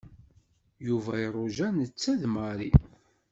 Yuba iruja netta d Mary.